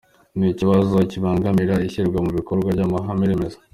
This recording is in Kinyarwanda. Ni ikibazo kibangamira ishyirwa mu bikorwa ry’amahame remezo.